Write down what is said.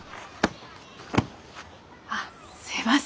あすいません。